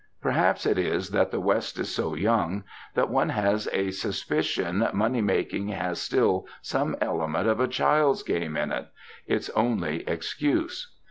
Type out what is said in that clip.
Perhaps it is that the West is so young that one has a suspicion money making has still some element of a child's game in it its only excuse.